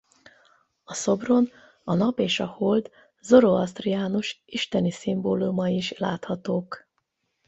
A szobron a Nap és a Hold zoroasztriánus isteni szimbólumai is láthatók.